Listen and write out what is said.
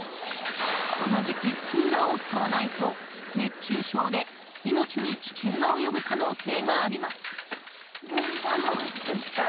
この時期、クーラーを使わないと熱中症で命に危険が及ぶ可能性があります。